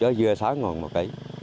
chó dưa sáu ngòn một kg